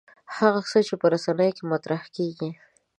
هغه څه چې په رسنیو کې مطرح کېږي.